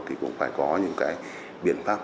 thì cũng phải có những biện pháp